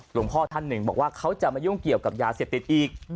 หลวงพ่อท่านหนึ่งบอกว่าเขาจะมายุ่งเกี่ยวกับยาเสพติดอีก